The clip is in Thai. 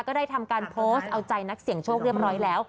ก็ได้ทำการโพสต์เอาใจนักเสี่ยงโชคเรียบร้อยแล้ว